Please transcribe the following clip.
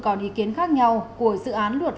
còn ý kiến khác nhau của dự án luật